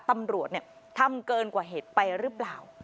ตำรวจทำเกินกว่าเหตุไปหรือเปล่า